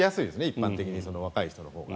一般的に若い人のほうが。